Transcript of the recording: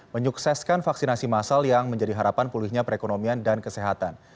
menyukseskan vaksinasi masal yang menjadi harapan pulihnya perekonomian dan kesehatan